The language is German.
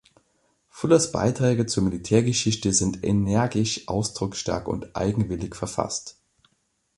Fullers Beiträge zur Militärgeschichte sind energisch, ausdrucksstark und eigenwillig verfasst.